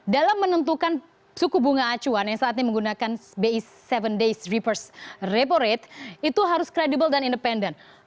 dalam menentukan suku bunga acuan yang saat ini menggunakan bi tujuh days reverse repo rate itu harus kredibel dan independen